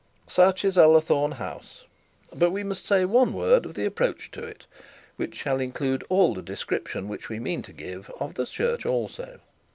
Such is Ullathorne House. But we must say one word of the approach to it, which shall include all the description which we mean to give of the church also.